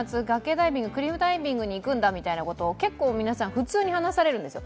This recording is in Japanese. ダイビングクリフダイビングに行くんだみたいなことを結構皆さん、普通に話されるんですよ。